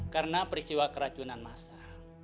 karena peristiwa keracunan massa